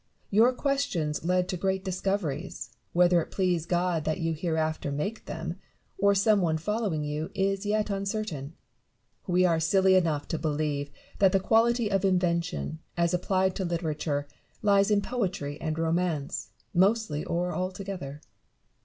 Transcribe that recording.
Your questions lead to great discoveries ; whether it please God that you hereafter make them, or some one following you, is yet uncertain. We are silly enough to believe that the quality of invention, as applied to literature, lies in poetry and romance, mostly or altogether.